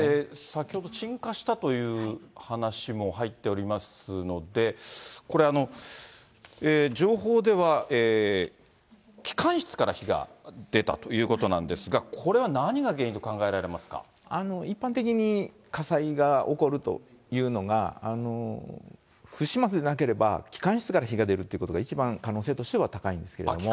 先ほど鎮火したという話も入っておりますので、これ、情報では機関室から火が出たということなんですが、一般的に、火災が起こるというのが、不始末でなければ、機関室から火が出るということが、一番可能性としては高いんですけど。